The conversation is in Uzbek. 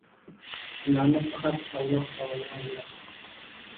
Ularni faqat Alloh taolo biladi.